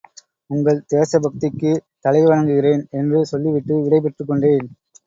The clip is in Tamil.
உங்கள் தேச பக்திக்கு தலை வணங்குகிறேன், என்று சொல்லிவிட்டு விடைபெற்றுக் கொண்டேன்.